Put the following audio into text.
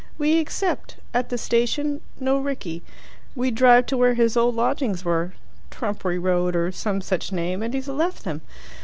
We accept. At the station, no Rickie. We drive to where his old lodgings were Trumpery Road or some such name and he's left them.